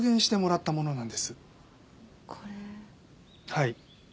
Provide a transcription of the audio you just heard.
はい。